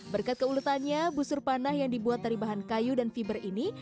berkat keuletannya busur panah yang dibuat dari bahan kayu dan fiber ini